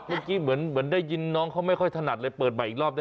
เมื่อกี้เหมือนได้ยินน้องเขาไม่ค่อยถนัดเลยเปิดใหม่อีกรอบได้